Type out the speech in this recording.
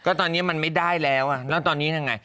ก็ตอนนี้มันไม่ได้แล้วแล้วตอนนี้ทำไง